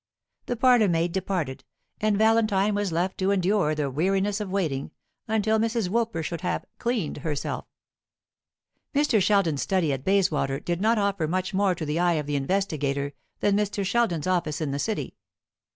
The parlour maid departed, and Valentine was left to endure the weariness of waiting until Mrs. Woolper should have "cleaned herself." Mr. Sheldon's study at Bayswater did not offer much more to the eye of the investigator than Mr. Sheldon's office in the City.